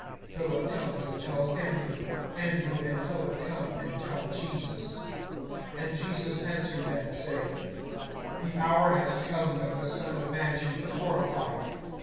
(22)Philip comes and tells Andrew; Andrew and Philip come and tell Jesus. (23)And Jesus answered them, saying: The hour has come, that the Son of man should be glorified.